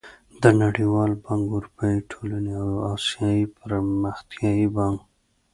د نړېوال بانک، اروپايي ټولنې او اسيايي پرمختيايي بانک